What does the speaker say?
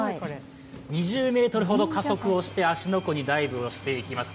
２０ｍほど加速をして芦ノ湖にダイブをしていきます。